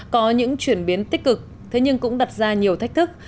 có những chuyển biến tích cực thế nhưng cũng đặt ra nhiều thách thức